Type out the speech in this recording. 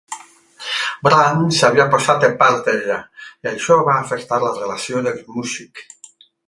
Brahms s'havia posat de part ella, i això va afectar la relació dels músics.